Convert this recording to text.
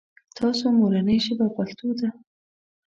تاسو مورنۍ ژبه پښتو ده ؟